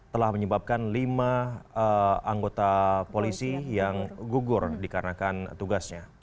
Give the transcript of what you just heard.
telah menyebabkan lima anggota polisi yang gugur dikarenakan tugasnya